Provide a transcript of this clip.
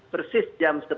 persis jam sepuluh